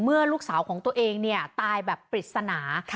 เมื่อลูกสาวของตัวเองเนี่ยตายแบบปริศนา